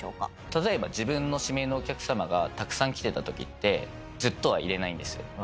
例えば自分の指名のお客様がたくさん来てた時ってずっとはいられないんですよ。